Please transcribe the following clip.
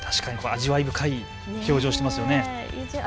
味わい深い表情してますね。